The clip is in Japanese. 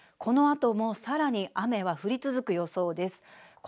このあともさらに雨は降り続く予想です。